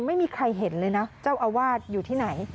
ไม่มีใครเห็นเลยนะเจ้าอาวาสอยู่ที่ไหน